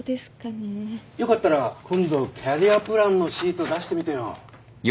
よかったら今度キャリアプランのシート出してみてよ。